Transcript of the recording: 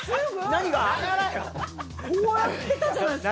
・何が⁉こうやってたじゃないですか。